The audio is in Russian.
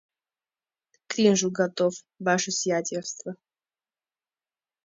К кринжу готов, ваше сиятельство!